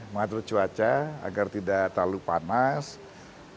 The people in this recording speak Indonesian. mengatur cuaca agar tidak terlalu panas agar tidak turun hujan yang banyak